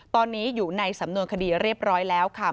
ตอนนี้อยู่ในสำนวนคดีเรียบร้อยแล้วค่ะ